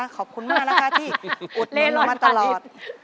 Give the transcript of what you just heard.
ขอบคุณมากนะคะที่อดหนนมาตลอด